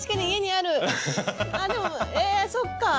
あっでもえっそっか。